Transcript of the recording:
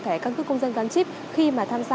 thẻ căn cước công dân gắn chip khi mà tham gia